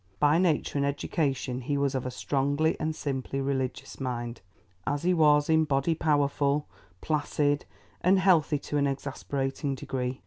By nature and education he was of a strongly and simply religious mind, as he was in body powerful, placid, and healthy to an exasperating degree.